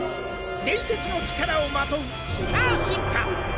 伝説の力をまとうスター進化。